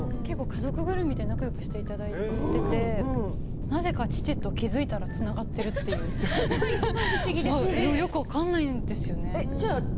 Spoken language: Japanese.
家族ぐるみで仲よくしていただいてなぜか父と気付いたらつながっているというよく分からないんですよね。